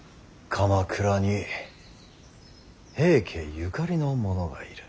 鎌倉に平家ゆかりの者がいる。